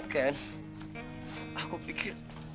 ken aku pikir